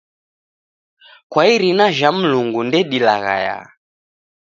Kwa irina jha Mulungu ndedilaghaya